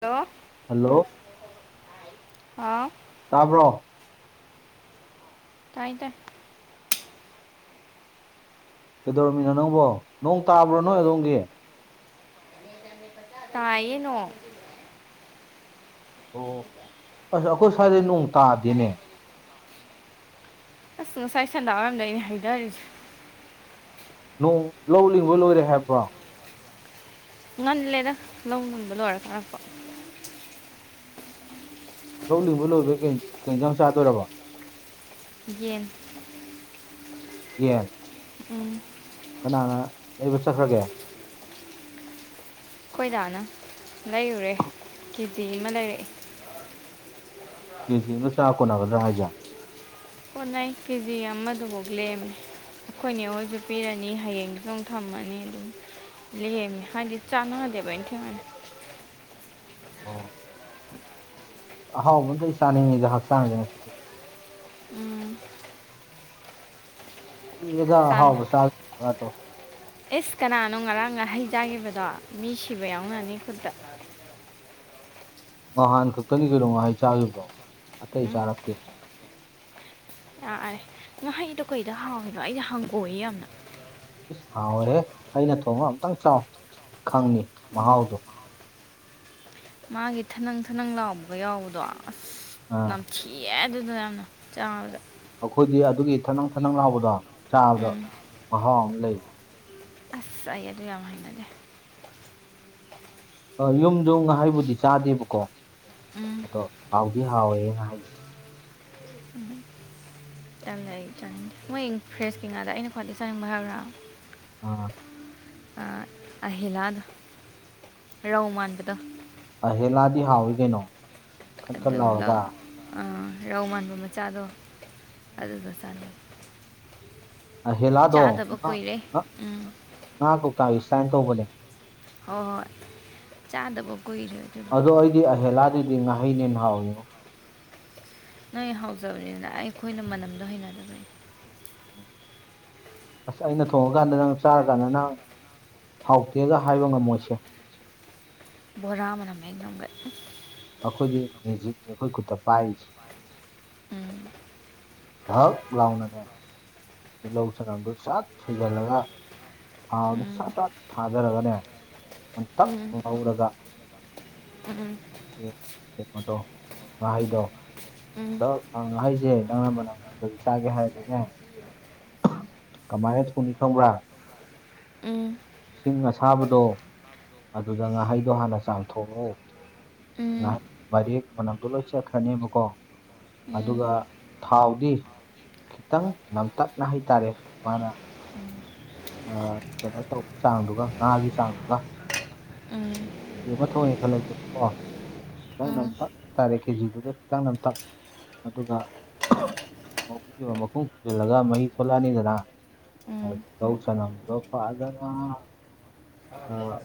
Hello hello ꯑꯥ ꯇꯥꯕ꯭ꯔꯣ ꯇꯥꯏ ꯇꯥꯏ ꯀꯩꯗꯧꯔꯝꯃꯤꯅꯣ ꯅꯪꯕꯣ ꯅꯣꯡ ꯇꯥꯕ꯭ꯔꯣ ꯅꯣꯏ ꯑꯗꯣꯝꯒꯤ ꯇꯥꯌꯧ ꯅꯣꯡ ꯑꯣ ꯑꯁ ꯑꯩꯈꯣꯏ ꯁ꯭ꯋꯥꯏꯗꯦ ꯅꯣꯡ ꯇꯥꯗꯤꯅꯦ ꯑꯁ ꯉꯁꯥꯏ ꯁꯟꯗꯥꯕꯝꯗ ꯑꯅꯦ ꯍꯥꯏꯖꯔꯤꯁꯦ ꯅꯣꯡ ꯂꯧ ꯂꯕ ꯂꯣꯏꯔꯦ ꯍꯥꯏꯕ꯭ꯔꯣ ꯉꯜꯂꯦꯗ ꯂꯧ ꯉꯟꯕ ꯂꯣꯏꯔ ꯀꯥꯔꯛꯄ ꯂꯧ ꯂꯤꯡꯕ ꯂꯣꯏꯕꯩ ꯀꯩꯖꯥꯡ ꯆꯥꯗꯣꯏꯔꯕ ꯌꯦꯟ ꯌꯦꯟ ꯎꯝ ꯀꯅꯥꯅ ꯂꯩꯕ ꯆꯠꯈ꯭ꯔꯒꯦ ꯑꯩꯈꯣꯏꯗꯥꯅ ꯂꯩꯔꯨꯔꯦ ꯀꯦ ꯖꯤ ꯑꯃ ꯂꯩꯔꯛꯑꯦ ꯀꯦ ꯖꯤꯅꯒ ꯆꯥ ꯀꯣꯟꯅꯒꯗ꯭ꯔꯥ ꯍꯥꯏꯖꯦ ꯀꯣꯟꯅꯩ ꯀꯦꯖꯤ ꯑꯃꯗꯨꯐꯥꯎ ꯂꯦꯝꯃꯦ ꯑꯩꯈꯣꯏꯅꯦ ꯑꯩꯉꯣꯏꯁꯨ ꯄꯤꯔꯅꯤ ꯍꯌꯦꯡꯗꯨꯁꯨ ꯑꯃꯨ ꯊꯝꯃꯅꯤ ꯑꯗꯨꯝ ꯂꯦꯃꯤ ꯍꯥꯏꯗꯤ ꯆꯥꯅꯗꯤꯦꯕ ꯊꯦ ꯃꯅ ꯑꯣ ꯑꯍꯥꯎꯕ ꯑꯃꯗ ꯑꯩ ꯆꯥꯅꯤꯡꯉꯤꯗ ꯍꯛꯆꯥꯡꯁꯦ ꯉꯁꯤꯗꯤ ꯎꯝ ꯀꯗ ꯍꯥꯎꯕ ꯁꯥꯇꯣ ꯑꯦꯁ ꯀꯅꯥꯅꯣ ꯉꯔꯥꯡꯒ ꯍꯩꯖꯥꯈꯤꯕꯗꯣ ꯃꯤ ꯁꯤꯕ ꯌꯥꯎꯅꯅꯤ ꯈꯨꯠꯇ ꯅꯍꯥꯟ ꯈꯛꯇꯅꯤ ꯀꯩꯅꯣ ꯉꯍꯥꯏ ꯆꯥꯈꯤꯕꯗꯣ ꯑꯇꯩ ꯆꯥꯔꯛꯇꯦ ꯑꯥꯔꯦ ꯉꯍꯩꯗꯣ ꯀꯩꯗ ꯍꯥꯎꯏꯤꯅꯣ ꯑꯩꯗꯤ ꯍꯪꯀꯣꯛꯑ ꯌꯥꯝꯅ ꯏꯁ ꯍꯥꯎꯋꯦꯍꯦ ꯑꯩꯅ ꯊꯣꯡꯉ ꯑꯝꯛꯇꯪ ꯆꯥꯎ ꯈꯪꯅꯤ ꯃꯍꯥꯎꯗꯣ ꯃꯥꯒꯤ ꯊꯅꯪ ꯊꯅꯪ ꯂꯥꯎꯕꯒ ꯌꯥꯎꯕꯗꯣ ꯑꯁ ꯑꯥ ꯊ ꯊꯤꯑꯦ ꯑꯗꯨꯗ ꯌꯥꯝꯅ ꯆꯥꯕꯗ ꯑꯩꯈꯣꯏꯗꯤ ꯑꯗꯨꯒꯤ ꯊꯅꯪ ꯊꯅꯪ ꯂꯥꯎꯕꯗ ꯆꯥꯕꯗ ꯎꯝ ꯃꯍꯥꯎ ꯑꯃ ꯂꯩ ꯑꯁ ꯑꯩꯥ ꯑꯗꯨ ꯌꯥꯝ ꯍꯥꯏꯅꯗꯦ ꯑ ꯌꯨꯝꯗ ꯉꯍꯥꯏꯕꯨꯗꯤ ꯆꯥꯗꯦꯕꯀꯣ ꯎꯝ ꯑꯗꯣ ꯍꯥꯎꯗꯤ ꯍꯥꯎꯋꯦ ꯉ ꯍꯥꯏꯁꯦ ꯌꯥꯝ ꯂꯩ ꯆꯥꯅꯤꯡꯗꯦ ꯃꯣꯏ ꯐ꯭ꯔꯦꯁꯀꯤ ꯉꯥꯗ ꯑꯩꯅ ꯈ꯭ꯋꯥꯏꯗꯗꯒꯤ ꯆꯥꯅꯤꯡꯕ ꯍꯥꯏꯕ꯭ꯔꯥ ꯑꯣ ꯑꯍꯤꯂꯥꯗꯣ ꯔꯧ ꯃꯥꯟꯕꯗꯣ ꯑꯍꯦꯂꯥꯗꯤ ꯍꯥꯎꯏ ꯀꯩꯅꯣ ꯈꯟ ꯈꯟ ꯑꯗꯨꯒ ꯂꯥꯎꯔꯒ ꯂꯧ ꯔꯧ ꯃꯥꯟꯕ ꯃꯆꯥꯗꯣ ꯑꯗꯨꯗ ꯆꯥꯅꯩ ꯑꯍꯦꯂꯥꯗꯣ ꯆꯥꯗꯕ ꯉꯥ ꯀꯨꯏꯔꯦ ꯎꯝ ꯉꯥ ꯀꯧꯇꯥꯥꯒꯤ ꯁꯨꯃꯥꯏꯅ ꯇꯧꯕꯅꯦ ꯍꯣꯏ ꯍꯣꯏ ꯆꯥꯗꯕ ꯀꯨꯏꯔꯦ ꯑꯗꯨ ꯑꯗꯣ ꯑꯩꯗꯤ ꯑꯍꯦꯂꯥꯗꯗꯤ ꯉꯥꯍꯩꯅꯦ ꯍꯥꯎꯌꯣ ꯅꯣꯏ ꯍꯥꯎꯖꯕꯅꯤꯅ ꯑꯩꯈꯣꯏꯅ ꯃꯅꯝꯗꯣ ꯍꯩꯅꯗꯕꯅꯤ ꯑꯁ ꯑꯩꯅ ꯊꯣꯡꯉꯀꯥꯟꯗ ꯅꯪ ꯆꯥꯔꯀꯥꯟꯗ ꯅꯪ ꯍꯥꯎꯇꯦꯒ ꯍꯥꯏꯕ ꯉꯝꯃꯣꯏꯁꯦ ꯕꯣꯔꯥꯃꯅꯃꯦꯒꯒ ꯑꯩꯈꯣꯏꯗꯤ ꯃꯦꯖꯤꯛꯅꯤ ꯑꯩꯈꯣꯏ ꯈꯨꯠꯇ ꯄꯥꯏꯔꯤꯁꯤꯦ ꯎꯝ ꯙꯛ ꯂꯒꯥꯎꯅꯅꯦ ꯂꯧ ꯁꯅꯝꯗꯨꯣ ꯆꯠ ꯁꯨꯖꯜꯂꯒ ꯊꯥꯎꯗꯨ ꯎꯝ ꯁꯠ ꯁꯠ ꯊꯥꯖꯔꯒꯅꯦ ꯃꯨꯟꯇꯛ ꯂꯧꯔꯒ ꯎꯝ ꯀꯩꯅꯣꯗꯣ ꯉꯥꯍꯩꯗꯣ ꯑꯗꯣꯍꯩꯁꯦ ꯅꯪ ꯑꯃꯝꯕ ꯅꯪꯉꯝꯗꯒꯤ ꯆꯥꯒꯦ ꯍꯥꯏꯔꯗꯤꯅꯦ ꯀꯃꯥꯏꯅ ꯊꯣꯡꯅꯤ ꯈꯪꯕ꯭ꯔꯥ ꯎꯝ ꯁꯤꯡ ꯑꯁꯥꯕꯗꯣ ꯑꯗꯨꯗ ꯉꯥꯍꯩꯗꯣ ꯍꯥꯟꯅ ꯆꯥꯝꯊꯣꯛꯛꯑꯣ ꯎꯝ ꯉꯥꯏꯍ ꯔꯦꯛ ꯃꯅꯝꯗꯣ ꯂꯣꯏ ꯆꯠꯈ꯭ꯔꯅꯦꯕꯀꯣ ꯑꯗꯨꯒ ꯊꯥꯎꯗꯤ ꯈꯤꯇꯪ ꯅꯝꯇꯛꯅ ꯍꯥꯏꯇꯥꯔꯦ ꯃꯥꯅ ꯀꯩꯅꯣ ꯇꯧꯕ ꯆꯥꯡꯗꯨꯒ ꯉꯥꯒꯤ ꯆꯥꯡꯗꯨꯒ ꯑꯝ ꯀ ꯑꯃ ꯊꯣꯡꯉꯦ ꯈꯜꯂꯁꯦꯕ ꯀꯣ ꯈꯤꯇꯪ ꯅꯝꯇꯛ ꯇꯥꯔꯦ ꯀꯦꯖꯤꯗꯨꯗ ꯈꯤꯇꯪ ꯅꯝꯇꯛ ꯑꯗꯨꯒ ꯃꯈꯨꯕ ꯃꯈꯨꯝ ꯈꯨꯝꯖꯤꯜꯂꯒ ꯃꯍꯤ ꯊꯣꯛꯣꯂꯛꯑꯅꯤꯗꯅ ꯑ ꯇꯧ ꯆ ꯅꯪ ꯗ ꯑ ꯂꯩꯕ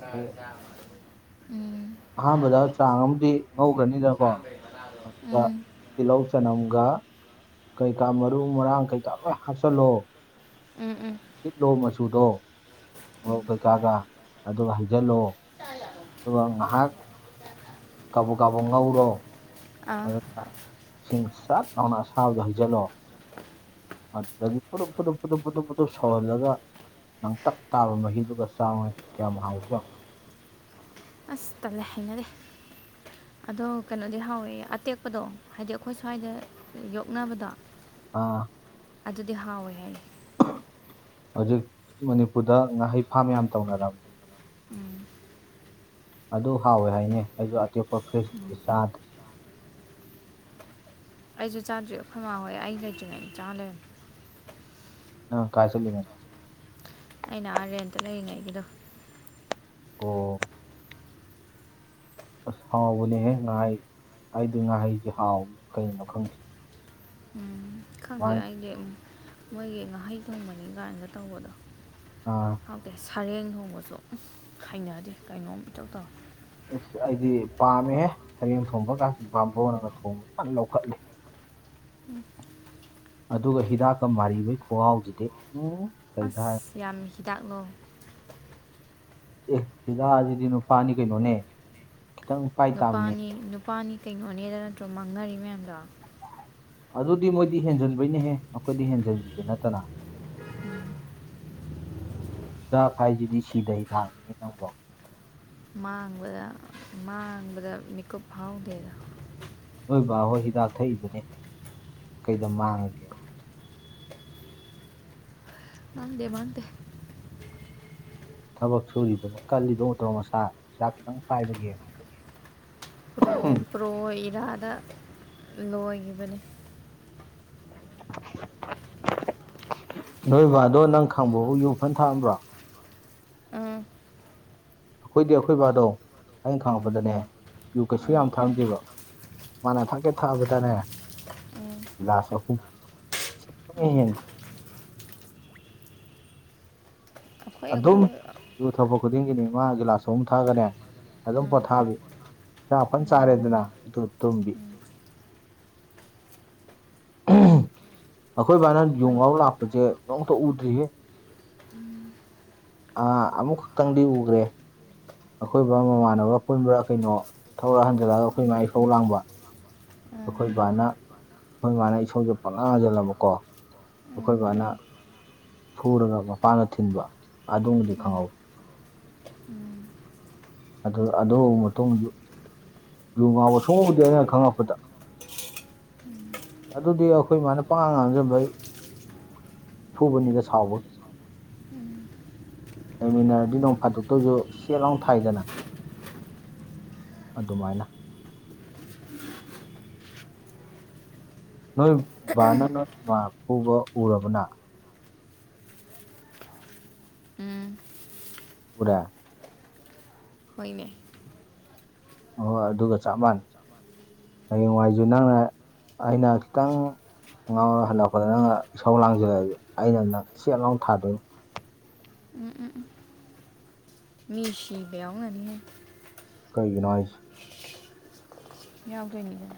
ꯑꯍꯥꯟꯕꯗ ꯆꯥꯡ ꯑꯃꯗꯤ ꯉꯧꯈ꯭ꯔꯅꯤꯅꯀꯣ ꯑꯗꯨꯒ ꯇꯤꯜꯍꯧ ꯆꯅꯝꯒ ꯀꯩ ꯀꯥ ꯃꯔꯨ ꯃꯔꯥꯡ ꯀꯩꯀꯥ ꯂꯣꯏ ꯍꯥꯞꯆꯤꯜꯂꯣ ꯎꯝ ꯁꯤꯠꯂꯣ ꯃꯆꯨꯗꯣ ꯃꯣꯔꯣꯛ ꯀꯩꯀꯥꯒ ꯑꯗꯨꯒ ꯍꯩꯖꯤꯜꯂꯣ ꯑꯗꯨꯒ ꯉꯥꯏꯍꯥꯛ ꯀꯕ ꯀꯥꯕ ꯉꯧꯔꯣ ꯑꯥ ꯑꯗꯨ ꯏꯁꯤꯡ ꯆꯥꯛꯧꯅ ꯁꯥꯕꯗꯣ ꯍꯩꯖꯤꯜꯂꯑꯣ ꯗꯤ ꯄꯨꯔꯞ ꯄꯨꯔꯞ ꯄꯨꯞ ꯄꯨꯅꯞ ꯄꯨꯇꯞ ꯁꯋꯥꯜꯂꯒ ꯂꯥꯡꯇꯛ ꯇꯥꯕ ꯃꯍꯤꯗꯨꯒ ꯆꯥꯎꯉ ꯀꯌꯥꯝ ꯍꯥꯡꯒꯦꯣ ꯑꯁ ꯇꯜꯂꯦ ꯍꯥꯏꯅꯔꯤꯦ ꯑꯗꯣ ꯀꯩꯅꯣꯗꯤ ꯍꯥꯎꯋꯦ ꯑꯇꯦꯛꯄꯗꯣ ꯍꯥꯏꯗꯤ ꯑꯩꯈꯣꯏ ꯁ꯭ꯋꯥꯏꯗ ꯌꯣꯛꯅꯕꯗ ꯑꯥ ꯑꯗꯨꯗꯤ ꯍꯥꯎꯋꯦ ꯍꯥꯏꯅ ꯍꯧꯖꯤꯛ ꯃꯅꯤꯄꯨꯔꯗ ꯉꯥꯍꯩ ꯐꯥꯝ ꯌꯥꯝ ꯇꯧꯅꯔꯝꯃꯦ ꯎꯝ ꯑꯗꯨ ꯍꯥꯎꯋꯦ ꯍꯥꯏꯅꯦ ꯑꯩꯁꯨ ꯑꯇꯦꯛꯞꯄ ꯐ꯭ꯔꯤꯖ ꯏꯆꯥ ꯑꯩꯁꯨ ꯆꯥꯗ꯭ꯔꯤ ꯐꯃꯥ ꯍꯣꯏ ꯑꯩ ꯂꯩꯇ꯭ꯔꯤꯉꯩꯗ ꯆꯥꯂꯦ ꯑ ꯀꯥꯆꯂꯅ ꯑꯩꯅ ꯑꯥꯔꯦꯟꯇ ꯂꯩꯔꯤꯉꯩꯒꯤꯗꯣ ꯑꯣ ꯑꯁ ꯍꯥꯎꯕꯅꯦꯍꯦ ꯉꯥꯏꯍꯥꯏ ꯑꯩꯗꯤ ꯉꯥꯏꯍꯩꯁꯦ ꯍꯥꯎꯕꯅꯤ ꯀꯩꯅꯣ ꯈꯪꯗ ꯎꯝ ꯈꯪꯗꯦ ꯑꯩꯗꯤ ꯃꯣꯏꯒꯤ ꯉꯍꯩ ꯊꯣꯡꯕꯅꯤ ꯀꯥꯏꯅꯒ ꯇꯧꯕꯗꯣ ꯑꯥ ꯍꯥꯎꯇꯦ ꯁꯔꯦꯡ ꯍꯣꯡꯕꯁꯨ ꯍꯩꯅꯗꯦ ꯀꯩꯅꯣꯝ ꯏꯇꯧ ꯇꯧꯔꯦ ꯑꯁ ꯑꯩꯗꯤ ꯄꯥꯝꯃꯦꯍꯦ ꯁꯔꯦꯡ ꯊꯣꯡꯕ ꯀꯥꯁ ꯄꯥꯝꯕꯅꯒ ꯊꯣꯡꯕ ꯐꯟꯅ ꯂꯧꯈꯠꯂꯦ ꯑꯗꯨꯒ ꯍꯤꯗꯥꯛꯀ ꯃꯥꯔꯤꯕꯩ ꯈꯒꯥꯎꯁꯤꯗꯤ ꯎꯝ ꯀꯩꯗ ꯍꯥꯏ ꯑꯁ ꯌꯥꯝ ꯍꯤꯗꯥꯛꯂꯣ ꯑꯦ ꯁꯤꯤꯗꯖꯤꯗꯤ ꯅꯨꯄꯥꯅꯤ ꯀꯩꯅꯣꯅꯦ ꯈꯤꯇꯪ ꯄꯥꯏ ꯇꯥꯕꯅꯦ ꯅꯨꯄꯥꯅꯤ ꯅꯨꯄꯥꯅꯤ ꯀꯩꯅꯣꯅꯦꯗ ꯅꯠꯇ꯭ꯔꯣ ꯃꯥꯡꯅꯔꯤ ꯃꯌꯥꯝꯗꯣ ꯑꯗꯨꯗꯤ ꯃꯣꯏꯗꯤ ꯍꯦꯟꯖꯟꯕꯅꯦꯍꯦ ꯑꯩꯈꯣꯏꯗꯤ ꯍꯦꯟꯖꯟꯕꯤꯗꯨ ꯅꯠꯇꯅ ꯎꯝ ꯗꯥꯛ ꯍꯥꯏꯁꯤꯗꯤ ꯁꯤꯗ ꯍꯤ ꯊꯥꯡꯅꯤꯅꯦꯦ ꯅꯪ ꯂ ꯃꯥꯡꯕꯗ ꯃꯥꯡꯕꯗ ꯃꯤꯀꯨꯞ ꯐꯥꯎꯗꯦꯗ ꯅꯣꯏ ꯕꯥꯍꯣꯏ ꯍꯤꯗꯥꯛ ꯊꯛꯏꯗꯨꯅꯤ ꯀꯩꯗ ꯃꯥꯡꯉꯒꯦ ꯅꯥꯟꯦ ꯗ ꯊꯕꯛ ꯁꯨꯔꯤꯗꯨꯅ ꯀꯜꯂꯤꯗꯣ ꯑꯣꯠꯇ꯭ꯔꯣ ꯃꯁꯥ ꯍꯤꯗꯥꯛ ꯈꯤꯇꯪ ꯄꯥꯏꯕꯒꯦ ꯄ꯭ꯔꯣ ꯄ꯭ꯔꯣ ꯏꯔꯥꯗ ꯂꯣꯏꯈꯤꯕꯅꯤ ꯅꯣꯏ ꯕꯥꯗꯣ ꯅꯪ ꯈꯪꯕꯕꯨ ꯌꯨ ꯐꯟ ꯊꯥꯛꯑꯝꯕ꯭ꯔꯣ ꯎꯝ ꯑꯩꯈꯣꯏꯗꯤ ꯑꯩꯈꯣꯏ ꯕꯥꯗꯣ ꯑꯩꯅ ꯎꯝ ꯈꯪꯉꯛꯄꯗꯅꯦ ꯌꯨ ꯀꯩꯁꯨ ꯎꯝ ꯌꯥꯝ ꯊꯥꯝꯗꯦꯕ ꯃꯥꯅ ꯊꯛꯀꯦ ꯊꯛꯕꯗꯅꯦ ꯎꯝ ꯂꯤꯂꯥꯁ ꯑꯍꯨꯝ ꯎꯝ ꯑꯩꯈꯣꯏ ꯑꯗꯨꯝ ꯑꯩꯈꯣꯏ ꯌꯨ ꯊꯕ ꯈꯨꯗꯤꯡꯒꯤꯅꯤ ꯃꯥ ꯒꯤꯂꯥꯁ ꯑꯍꯨꯝ ꯊꯛꯒꯅꯦ ꯑꯗꯨꯝ ꯎꯝ ꯄꯣꯊꯥꯕꯤ ꯆꯥꯛ ꯐꯟ ꯎꯝ ꯆꯥꯔꯦꯗꯅ ꯑꯗꯨꯒ ꯇꯨꯝꯕꯤ ꯑꯩꯈꯣꯏ ꯕꯥꯅ ꯍꯣꯏ ꯌꯨꯡꯉꯥꯎ ꯂꯥꯛꯄꯁꯦ ꯅꯣꯡꯃꯇ ꯎꯗ꯭ꯔꯤꯌꯦ ꯑꯥ ꯑꯃꯨꯛ ꯈꯛꯇꯪꯗꯤ ꯎꯒ꯭ꯔꯦ꯫ ꯑꯩꯈꯣꯏꯕꯥ ꯃꯃꯥꯟꯅꯕ ꯄꯨꯟꯕ꯭ꯔꯥ ꯀꯩꯅꯣ ꯊꯧꯔ ꯍꯟꯖꯜꯂꯒ ꯑꯩꯈꯣꯏ ꯃꯥꯏ ꯁꯧ ꯂꯥꯡꯕ꯫ ꯎꯝ ꯑꯈꯣꯏ ꯕꯥꯅ ꯑꯈꯣꯏ ꯃꯥꯅ ꯏꯁꯧꯖꯦ ꯄꯪꯂꯥꯡ ꯂꯥꯡꯖꯤꯜꯂꯕꯀꯣ ꯎꯝ ꯑꯩꯈꯣꯏꯕꯥꯅ ꯐꯨꯔꯒ ꯃꯄꯥꯟꯗ ꯊꯤꯟꯕ ꯑꯗꯨꯃꯗꯤ ꯈꯪꯍꯧ꯫ ꯎꯝ ꯑꯗꯨ ꯑꯗꯨ ꯃꯇꯨꯡ ꯂꯨ ꯉꯥꯎꯕ ꯁꯣꯡꯉꯕꯨꯗꯤ ꯑꯩꯅ ꯈꯪꯉꯛꯄꯗ [inaudible] ꯑꯗꯨꯗꯤ ꯑꯩꯈꯣꯏ ꯃꯥꯅ ꯄꯉꯥꯡ ꯉꯥꯡꯖꯟꯕꯩ ꯐꯨꯕꯅꯤꯗ ꯁꯥꯎꯕ ꯎꯝ ꯂꯩꯃꯤꯟꯅꯔꯗꯤ ꯅꯣꯡ ꯐꯥꯗꯣꯛꯇ ꯑꯣꯏꯖꯨ ꯁꯦꯠ ꯂꯥꯎꯅ ꯊꯥꯏꯗꯅ꯫ ꯑꯗꯨꯃꯥꯏꯅ ꯅꯣꯏ ꯕꯥꯅ ꯅꯣꯏ ꯃꯥ ꯐꯨꯕ ꯎꯔꯕꯅ ꯎꯝ ꯎꯔꯥ ꯍꯣꯏꯅꯦ ꯍꯣꯏ ꯑꯗꯨꯒ ꯆꯞ ꯃꯥꯟꯅꯩ ꯍꯌꯦꯡꯋꯥꯏꯖꯨ ꯅꯪꯅ ꯑꯩꯅ ꯈꯤꯇꯪ ꯉꯥꯎꯔ ꯍꯜꯂꯛꯄꯗ ꯅꯪꯅ ꯏꯁꯧ ꯂꯥꯡꯁꯤꯜꯂꯛꯑꯗꯤ ꯑꯩꯅ ꯅꯪ ꯁꯦꯠ ꯂꯥꯎꯅ ꯊꯥꯗꯣꯏꯅꯤ ꯎꯝ ꯎꯝ ꯎꯝ ꯃꯤ ꯁꯤꯕ ꯌꯥꯎꯉꯅꯤꯍꯦ꯫ ꯀꯩꯒꯤꯅꯣ ꯍꯥꯏ꯭ꯁ ꯌꯥꯎꯗꯣꯏꯅꯤꯗꯅ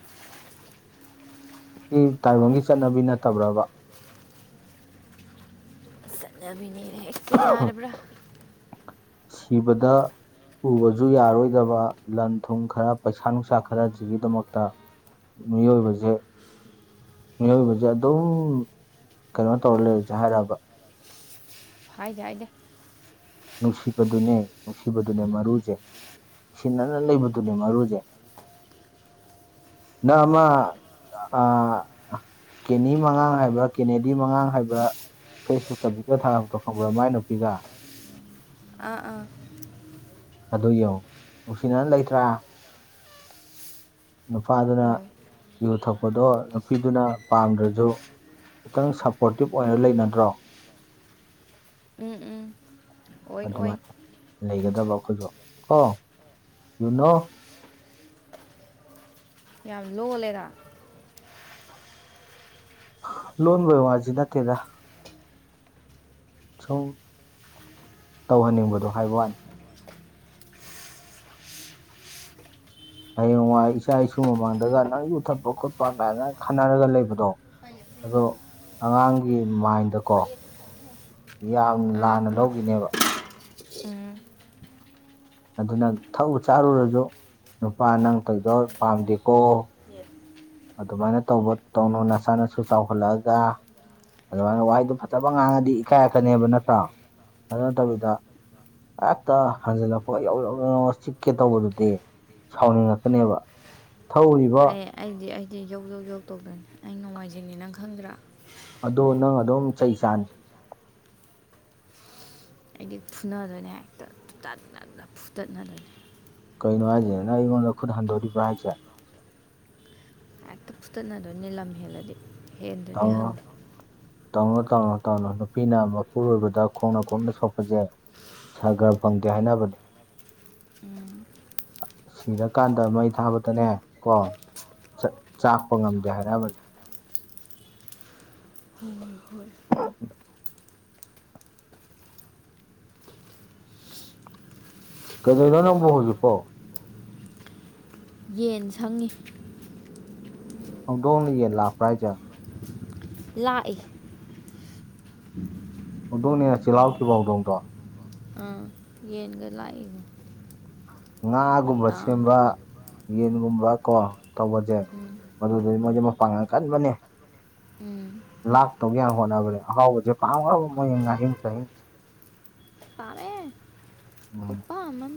ꯁꯤ ꯇꯥꯏꯕꯪꯒꯤ ꯆꯠꯅꯕꯤ ꯅꯠꯇꯕ꯭ꯔꯕꯥ? ꯆꯠꯅꯕꯤꯅꯤꯅ ꯍꯦꯛꯇ ꯌꯥꯔꯕ꯭ꯔꯥ ꯊꯤꯕꯗ ꯄꯨꯕꯁꯨ ꯌꯥꯔꯣꯏꯗꯕ ꯂꯟ ꯊꯨꯝ ꯈꯔ ꯄꯩꯁꯥ ꯅꯨꯡꯁꯥ ꯈꯔꯁꯤꯒꯤꯗꯃꯛꯇ꯫ ꯃꯤꯑꯣꯏꯕꯖꯦ ꯃꯤꯑꯣꯏꯕꯁꯦ ꯑꯗꯨꯝ ꯀꯩꯅꯣ ꯇꯧꯔ ꯂꯩꯔꯁꯦ ꯍꯥꯏ ꯥꯔ ꯕ ꯍꯥꯏꯗꯦ ꯍꯥꯏꯗꯦ ꯅꯨꯡꯁꯤꯕꯗꯨꯅꯦ ꯅꯨꯡꯁꯤꯕꯗꯨꯅꯦ ꯃꯔꯨꯖꯦ ꯅꯨꯡꯁꯤꯅꯅ ꯂꯩꯕꯗꯨꯅꯦ ꯃꯔꯨꯖꯦ ꯅꯪ ‌ꯑꯃ ꯑꯥ ꯀꯦꯅꯤ ꯃꯉꯥꯡ ꯍꯥꯏꯕ ꯀꯦꯅꯦꯗꯤ ꯃꯉꯥꯡ ꯍꯥꯏꯕ ꯐꯦꯁꯕꯨꯛꯇ ꯚꯤꯗꯤꯑꯣ ꯊꯥꯒꯠꯄꯗꯣ ꯈꯪꯕ꯭ꯔꯥ ꯃꯥꯏ ꯅꯨꯄꯤꯒ ꯑꯥ ꯑꯥ ꯑꯗꯨ ꯌꯦꯡꯉꯨ ꯅꯨꯡꯁꯤꯅꯅ ꯂꯩꯇ꯭ꯔꯥ ꯅꯨꯄꯥꯗꯨꯅ ꯍꯣꯏ ꯌꯨ ꯊꯛꯄꯗꯣ ꯅꯨꯄꯤꯗꯨꯅ ꯄꯥꯝꯗ꯭ꯔꯖꯨ ꯈꯤꯇꯪ ꯁꯞꯄꯣꯔꯇꯤꯞ ꯑꯣꯏꯔ ꯂꯩꯅꯗ꯭ꯔꯣ꯫ ꯎꯝ ꯎꯝ ꯑꯣꯏ ꯑꯣꯏ ꯑꯗꯨꯃꯥꯏ ꯂꯩꯒꯗꯕ ꯑꯩꯈꯣꯏꯖꯨ ꯀꯣ ꯌꯨꯅꯣ꯫ ꯌꯥꯝ ꯂꯣꯜꯂꯦꯗ ꯂꯣꯟꯕꯩ ꯋꯥꯖꯤ ꯅꯠꯇꯦꯗ ꯁꯨꯝ ꯇꯧꯍꯟꯅꯤꯡꯕꯗꯣ ꯍꯥꯏꯕ ꯋꯥꯅꯤ꯫ ꯍꯌꯦꯡꯋꯥꯏ ꯏꯆꯥ ꯏꯁꯨ ꯃꯃꯥꯡꯗꯒ ꯅꯪ ꯌꯨꯊꯠꯄ ꯈꯣꯠꯄ ꯀꯥꯏꯅ ꯈꯟꯅꯔꯒ ꯂꯩꯕꯗꯣ ꯑꯗꯣ ꯑꯉꯥꯡꯒꯤ ꯃꯥꯏꯟꯗꯀꯣ ꯌꯥꯝ ꯑꯥ ꯂꯥꯟꯅ ꯂꯧꯒꯤꯅꯦꯕ ꯎꯝ ꯑꯗꯨꯅ ꯊꯛꯎ ꯆꯥꯔꯨꯔꯖꯨ ꯅꯨꯄꯥ ꯅꯪ ꯇꯧꯏꯗꯣ ꯄꯥꯝꯗꯦꯀꯣ ꯑꯗꯨꯃꯥꯏꯅ ꯇꯧꯕ ꯇꯧꯅꯨ ꯅꯆꯥꯥ ꯅꯁꯨ ꯆꯥꯎꯈꯠꯂꯛꯑꯒꯥ ꯑꯗꯨꯃꯥꯏꯅ ꯋꯥꯍꯩꯗꯨ ꯐꯖꯕ ꯉꯥꯡꯉꯗꯤ ꯏꯀꯥꯏꯑꯛꯀꯅꯦꯕ ꯅꯠꯇ꯭ꯔꯥ ꯑꯗꯨ ꯅꯠꯇꯕꯤꯗ ꯍꯦꯛꯇ ꯍꯟꯖꯤꯜꯂꯛꯄꯒ ꯌꯧ ꯌꯧ ꯌꯧꯅ ꯆꯤꯛꯀꯦ ꯇꯧꯕꯗꯨꯗꯤ ꯁꯥꯎꯅꯤꯡꯉꯛꯀꯅꯦꯕ ꯊꯧꯔꯤꯕ ꯑꯦ ꯑꯩꯗꯤ ꯑꯩꯗꯤ ꯌꯧ ꯌꯧ ꯌꯧꯗꯧꯗꯅꯤ ꯑꯩ ꯅꯣꯡꯉꯥꯏꯖꯤꯡꯅꯤ ꯅꯪ ꯈꯪꯗ꯭ꯔꯥ ꯑꯗꯣ ꯅꯪ ꯑꯗꯨꯝ ꯆꯩ ꯆꯥꯅꯤ ꯑꯩꯗꯤ ꯐꯨꯅꯗꯣꯏꯅꯤ ꯍꯦꯛꯇ ꯇꯠꯅꯅ ꯐꯨꯇꯠꯅꯗꯣꯏꯅꯤ ꯀꯩꯅꯣ ꯍꯥꯏꯁꯦꯅꯦ ꯅꯪ ꯑꯩꯉꯣꯟꯗ ꯈꯨꯠ ꯍꯟꯗꯣꯔꯤꯕ꯭ꯔꯥ ꯍꯥꯏꯁꯦ ꯍꯦꯛꯇ ꯐꯨꯇꯠꯅꯗꯣꯏꯅꯦ ꯂꯝ ꯍꯦꯜꯂꯗꯤ ꯍꯦꯟꯗ꯭ꯔꯗꯤ ꯇꯧꯅꯨ ꯍꯪꯗꯦ ꯇꯧꯅꯣ ꯇꯧꯅꯣ ꯇꯧꯅꯣ ꯅꯨꯄꯤꯅ ꯃꯄꯨꯔꯣꯏꯕꯗ ꯈꯣꯡꯅ ꯈꯣꯞꯅ ꯁꯣꯛꯄꯖꯦ ꯁꯔꯒꯔꯥ‌ ꯐꯪꯗꯦ ꯍꯥꯏꯅꯕꯅꯦ ꯎꯝ ꯑ [inaudible] ꯁꯤꯔꯀꯥꯟꯗ ꯃꯩ ꯊꯥꯕꯗꯅꯦ ꯀꯣ ꯆꯥꯛꯄ ꯉꯝꯗꯦ ꯍꯥꯏꯅꯕꯅꯤ ꯍꯣꯏ ꯍꯣꯏ ꯎꯝ ꯀꯗꯣꯏꯅꯣ ꯅꯪꯕ ꯍꯧꯖꯤꯛꯐꯥꯎ ꯌꯦꯟ ꯁꯪꯉꯤ ꯍꯧꯗꯣꯡꯅ ꯌꯦꯡ ꯂꯥꯛꯄ꯭ꯔꯥ ꯍꯥꯏꯁꯦ ꯂꯥꯛꯏ ꯍꯧꯗꯣꯡꯅꯦꯅ ꯆꯤꯜꯍꯥꯎꯈꯤꯕ ꯍꯧꯗꯣꯡꯗꯣ ꯑꯥ ꯌꯦꯟꯒ ꯂꯥꯛꯏꯒ ꯉꯥꯒꯨꯝꯕ ꯃꯇꯥꯡ ꯁꯦꯝꯕ ꯌꯦꯟꯒꯨꯝꯕ ꯀꯣ ꯇꯧꯕꯁꯦ ꯎꯝ ꯃꯗ ꯃꯣꯏꯗꯤ ꯃꯄꯥꯡꯒꯟ ꯀꯟꯕꯅꯦ ꯎꯝ ꯂꯥꯛꯇꯧꯒꯦ ꯌꯥꯝ ꯍꯣꯠꯅꯕꯅꯦ ꯑꯍꯥꯎꯕꯁꯦ ꯄꯥꯝ ꯍꯔꯥꯎꯕ ꯃꯣꯏ ꯉꯥꯍꯤꯡ ꯁꯥꯍꯟꯁꯦ ꯇꯥꯃꯦ ꯎꯝ ꯑꯥꯃ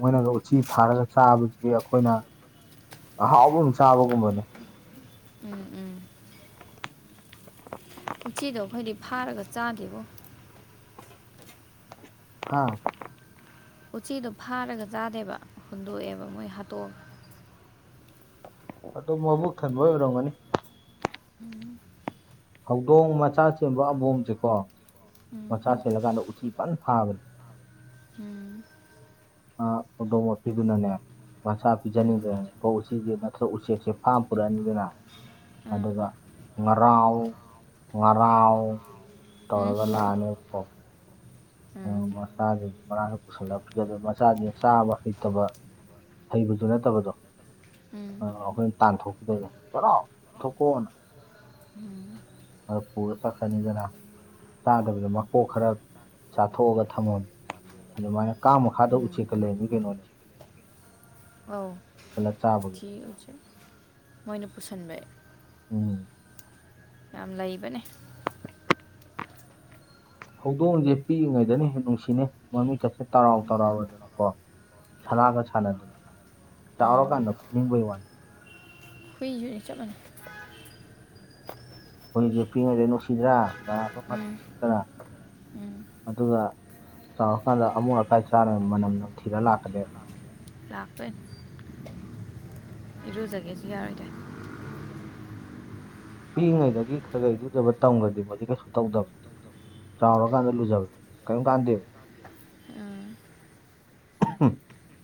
ꯃꯣꯏꯅꯒ ꯎꯆꯤ ꯐꯥꯔꯒ ꯆꯥꯕꯁꯤꯗꯤ ꯑꯩꯈꯣꯏꯅ ꯑꯍꯥꯎꯕꯨꯝ ꯆꯥꯕꯒꯨꯝꯕꯅꯦ ꯎꯝ ꯎꯝ ꯎꯆꯛꯆꯤꯗꯣ ꯑꯩꯈꯣꯏꯗꯤ ꯐꯥꯔꯒ ꯆꯥꯗꯦꯕꯣ ꯑ ꯎꯆꯤꯗꯣ ꯐꯥꯔꯒ ꯆꯥꯗꯦꯕ ꯍꯨꯟꯗꯣꯛꯑꯦꯕ ꯃꯣꯏ ꯍꯥꯇꯣꯛꯑ ꯑꯗꯨꯗꯣ ꯃꯣꯏꯕꯨꯛ ꯈꯟꯕ ꯑꯣꯏꯕꯔꯣꯒꯅꯤ ꯎꯝ ꯍꯧꯗꯣꯡ ꯃꯆꯥ ꯁꯦꯝꯕ ꯑꯕꯣꯝꯁꯦꯀꯣ ꯎꯝ ꯑꯣꯆꯥꯔꯁꯤ ꯂꯒꯥꯣ ꯎ ꯎꯆꯤ ꯄ ꯐꯥꯕ ꯎꯝ ꯑꯗꯣꯡ ꯄꯤꯗꯨꯅꯅꯦ ꯃꯆꯥ ꯎꯝ ꯄꯤꯖꯅꯤꯡꯗꯅꯣ ꯎꯆꯁ ꯅꯠꯇ꯭ꯔꯒ ꯎꯆꯦꯛꯁꯦ ꯐꯥꯝ ꯄꯨꯔꯛꯑꯅꯤꯗꯅ ꯑꯗꯨꯒ ꯉꯔꯥꯎ ꯉꯔꯥꯎ ꯎꯝ ꯎꯝ ꯇꯂꯒꯅ ꯑꯅꯤ ꯀ ꯃꯆꯥꯗꯨꯗꯤ ꯃꯔꯥꯡꯁꯨ ꯄꯨꯁꯜꯂꯛꯗ ꯃꯆꯥꯗꯤ ꯆꯥꯕ ꯍꯩꯇꯕ ꯍꯩꯕꯗꯨ ꯅꯠꯇꯕꯗꯣ ꯎꯝ ꯑ ꯑꯩꯈꯣꯏꯅ ꯇꯥꯟꯊꯣꯛꯀꯗꯧꯅꯦ ꯀꯔꯣꯊꯣꯛꯀꯣꯑꯣꯅ ꯎꯝ ꯑꯗꯨ ꯄꯨꯔ ꯆꯠꯀꯅꯤꯗꯅ ꯆꯥꯗꯕꯤꯗ ꯃꯀꯣꯛ ꯈꯔ ꯆꯥꯊꯣꯛꯑꯒ ꯊꯝꯃꯝ ꯑꯗꯨꯃꯥꯏꯅ ꯀꯥꯡ ꯃꯈꯥꯗ ꯎꯝ ꯎꯆꯦꯛꯀ ꯂꯩꯔꯝꯃꯤ ꯀꯩꯅꯣꯅꯦ [inaudible] ꯑꯧ ꯄꯨꯁꯜꯂ ꯆꯥꯕꯒꯤ [unintelligible] ꯃꯣꯏꯅ ꯄꯨꯁꯟꯕꯩ ꯎꯝ ꯌꯥꯝ ꯂꯩꯕꯅꯦ ꯍꯧꯗꯣꯡꯁꯦ ꯄꯤꯛꯏꯉꯩꯗꯅ ꯍꯦꯟ ꯅꯨꯡꯁꯤꯅꯦ ꯃꯃꯤꯠ ꯀꯁꯦ ꯇꯔꯥꯎ ꯇꯔꯥꯎꯔꯗꯅꯀꯣ ꯁꯅꯥꯒ ꯁꯥꯟꯅꯗꯅ ꯎꯝ ꯆꯥꯎꯔꯀꯥꯟꯗ ꯐꯨꯅꯤꯡꯕꯩ ꯋꯥꯅꯤ ꯌꯨꯅꯤꯠ ꯆꯞ ꯃꯥꯟꯅꯩ ꯍꯧꯈꯣꯏꯁꯦ ꯄꯤꯉꯗꯦ ꯅꯨꯡꯁꯤꯗ꯭ꯔꯥ ꯕꯔꯥꯠꯇ꯭ꯔꯥ ꯎꯝ ꯎꯝ ꯑꯗꯨꯒ ꯆꯥꯎꯔꯀꯥꯟꯗ ꯑꯃꯣꯠ ꯑꯀꯥꯏ ꯆꯥꯔ ꯃꯅꯝ ꯅꯝꯊꯤꯔ ꯂꯥꯛꯀꯗꯦꯕ ꯂꯥꯛꯄꯅꯤ ꯏꯔꯨꯖꯒꯦꯁꯨ ꯌꯥꯔꯣꯏꯗ꯭ꯔꯦ ꯄꯤꯛꯏꯉꯩꯗꯒꯤ ꯈꯔ ꯈꯩ ꯂꯨꯖꯕ ꯇꯝꯈ꯭ꯔꯗꯤ ꯃ ꯀꯩꯁꯨ ꯇꯧꯗꯕꯅꯦ ꯆꯥꯎꯔꯀꯥꯟꯗ ꯂꯨꯖꯕꯅꯦ ꯀꯔꯤꯝ ꯀꯥꯟꯗꯦꯕ ꯎꯝ